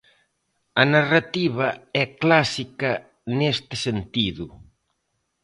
A narrativa é clásica neste sentido.